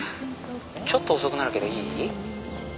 ちょっと遅くなるけどいい？